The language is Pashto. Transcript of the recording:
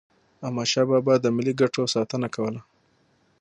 احمدشاه بابا به د ملي ګټو ساتنه کوله.